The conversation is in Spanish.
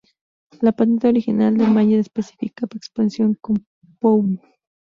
La patente original de Mallet especificaba expansión compound.